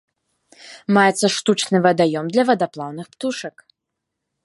Маецца штучны вадаём для вадаплаўных птушак.